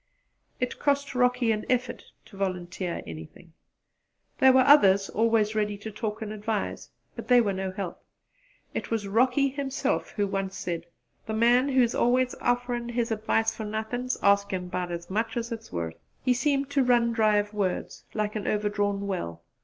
It cost Rocky an effort to volunteer anything. There were others always ready to talk and advise; but they were no help. It was Rocky himself who once said that "the man who's allus offerin' his advice fer nothin' 's askin' 'bout 's much 's it's worth." He seemed to run dry of words like an overdrawn well.